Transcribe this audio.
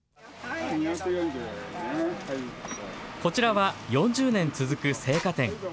こちらは４０年続く青果店。